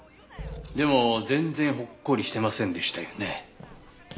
でも全然ほっこりしてませんでしたよね。